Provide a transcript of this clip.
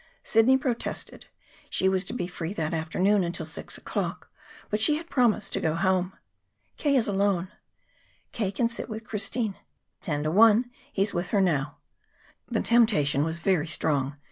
Sidney protested. She was to be free that afternoon until six o'clock; but she had promised to go home. "K. is alone." "K. can sit with Christine. Ten to one, he's with her now." The temptation was very strong.